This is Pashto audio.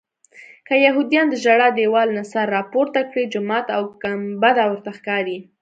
که یهودیان د ژړا دیوال نه سر راپورته کړي جومات او ګنبده ورته ښکاري.